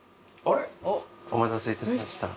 お待たせいたしました。